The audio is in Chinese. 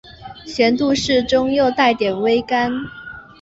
咸度适中又带点微甘